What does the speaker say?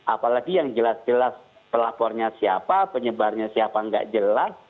apalagi yang jelas jelas pelapornya siapa penyebarnya siapa nggak jelas